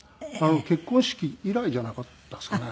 結婚式以来じゃなかったですかね。